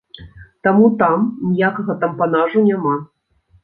Таму там ніякага тампанажу няма!